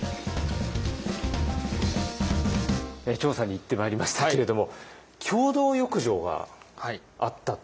調査に行ってまいりましたけれども共同浴場があったと。